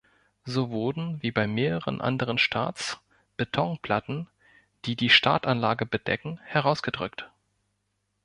So wurden, wie bei mehreren anderen Starts, Betonplatten, die die Startanlage bedecken, herausgedrückt.